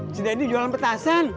si deddy jualan petasan